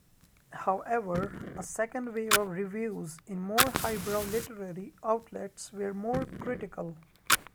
However, a second wave of reviews in more highbrow literary outlets were more critical.